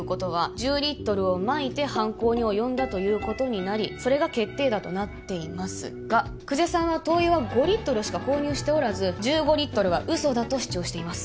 １０リットルをまいて犯行に及んだということになりそれが決定打となっていますが久世さんは灯油は５リットルしか購入しておらず１５リットルは嘘だと主張しています